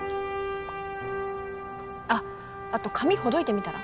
あっあと髪ほどいてみたら？